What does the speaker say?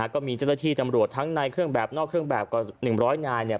ก็มีเจ้าหน้าที่ตำรวจทั้งในเครื่องแบบนอกเครื่องแบบกว่า๑๐๐นายเนี่ย